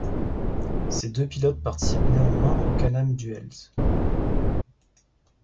Ces deux pilotes participent néanmoins aux Can-Am Duels.